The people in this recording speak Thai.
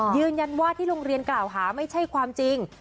ยืนยันว่าที่โรงเรียนกล่าวหาไม่ใช่ความจริง